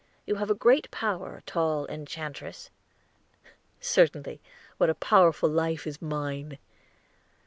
You have a great power, tall enchantress." "Certainly. What a powerful life is mine!"